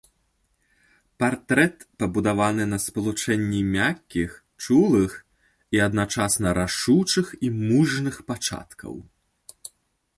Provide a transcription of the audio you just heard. Партрэт пабудаваны на спалучэнні мяккіх, чулых і адначасна рашучых і мужных пачаткаў.